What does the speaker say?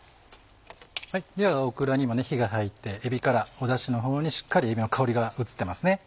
ではオクラにも火が入ってえびからダシのほうにしっかりえびの香りが移ってますね。